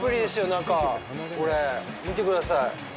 中、これ、見てください。